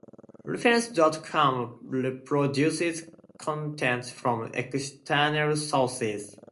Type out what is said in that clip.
Reference dot com reproduces content from external sources.